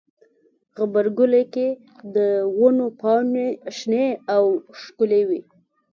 غبرګولی کې د ونو پاڼې شنې او ښکلي وي.